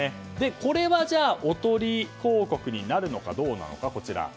これはおとり広告になるのかどうなのか。